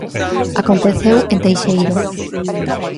Aconteceu en Teixeiro.